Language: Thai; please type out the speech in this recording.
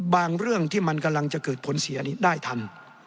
เรื่องที่มันกำลังจะเกิดผลเสียนี้ได้ทัน